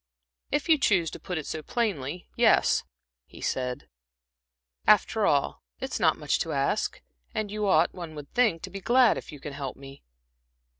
"If you choose to put it so plainly yes," he said. "After all, it is not much to ask, and you ought, one would think, to be glad if you can help me."